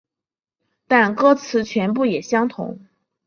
但歌词全部也相同。